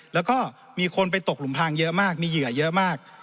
แล้วก็มีคนไปตกหลุมทางเยอะมากมีเหยื่อเยอะมาก